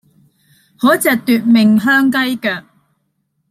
好一隻奪命香雞腳